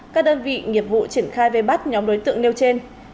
các đơn vị nghiệp vụ triển khai về bắt nhóm đối tượng nêu trên